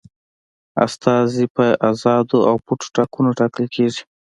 استازي په آزادو او پټو ټاکنو ټاکل کیږي.